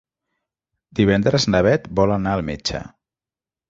Divendres na Beth vol anar al metge.